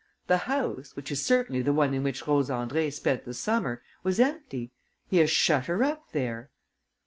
The house, which is certainly the one in which Rose Andrée spent the summer, was empty. He has shut her up there."